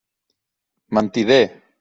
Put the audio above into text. Mentider!